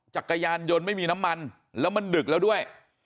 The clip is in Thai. จักรยานยนต์ไม่มีน้ำมันแล้วมันดึกแล้วด้วย